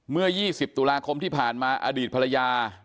เมื่อ๒๐ตุลาคมที่ผ่านมาอดีตภรรยา